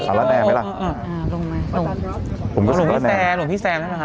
สารแน่ไหมล่ะอ่าลงมาผมก็สารแน่หลวงพี่แซมหลวงพี่แซมใช่ไหมค่ะ